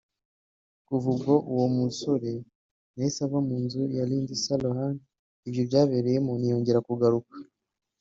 kuva ubwo uwo musore yahise ava mu nzu ya Lindsay Lohan ibyo byabereyemo ntiyongera kugaruka